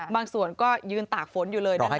บางส่วนก็ยืนตากฝนอยู่เลยนะคะ